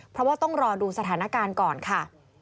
เพราะว่าต้องรอดูสถานการณ์ก่อนค่ะ